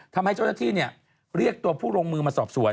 ทำให้เจ้าหน้าที่เรียกตัวผู้ลงมือมาสอบสวน